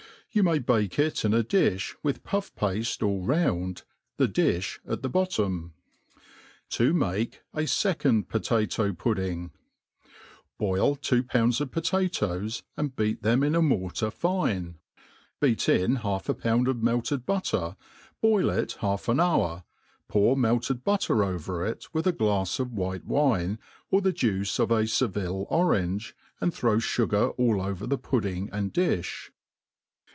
You may bake it in a difli, with puff p^e all round ^^ diihat the bottom* To make c fecmd Potatot^Puddipg* BtOIl' two jpouads pf potatoes, ^d beat them la a mortar finej MADE PLAIN AND EASY. 113 I Hue, best !■ haff a pound of melted butter, boil it half an hdur, pour meked butter over it, with a glafs of white wine, or the juice of a Seritte orange, aii4 throw fugar all over the pudding ^d dUh.